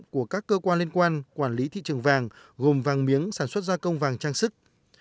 của các cơ quan liên quan quản lý thị trường vàng gồm vàng miếng sản xuất gia công vàng trang sức